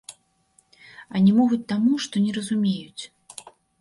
А не могуць таму, што не разумеюць.